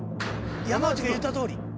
山内が言ったとおり。